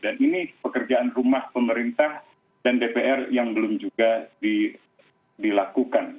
dan ini pekerjaan rumah pemerintah dan dpr yang belum juga dilakukan